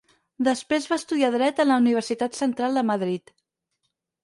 Després va estudiar Dret en la Universitat Central de Madrid.